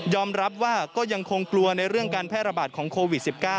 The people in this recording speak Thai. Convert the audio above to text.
รับว่าก็ยังคงกลัวในเรื่องการแพร่ระบาดของโควิด๑๙